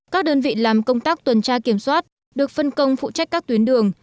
các đơn vị làm công tác tuần tra kiểm soát được phân công phụ trách các tuyến đường